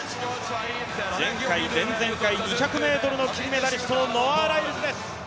前回、前々回２００ｍの金メダリスト、ノア・ライルズです。